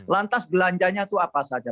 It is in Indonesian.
lantas belanjanya itu apa saja